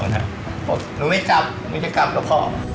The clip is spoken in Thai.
หนูไม่จะกลับละพ่อ